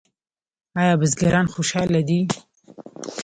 آیا بزګران خوشحاله دي؟